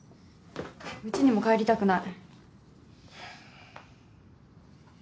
家にも帰りたくない。